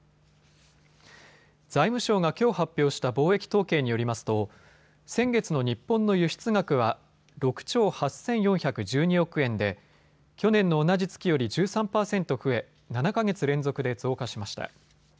財務省がきょう発表した貿易統計によりますと先月の日本の輸出額は６兆８４１２億円で去年の同じ月より１３％増え、７か月連続で増加しました。